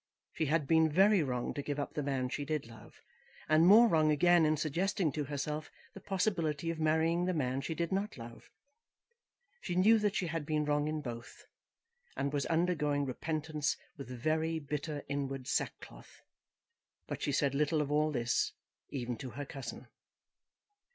She had been very wrong to give up the man she did love, and more wrong again in suggesting to herself the possibility of marrying the man she did not love. She knew that she had been wrong in both, and was undergoing repentance with very bitter inward sackcloth. But she said little of all this even to her cousin.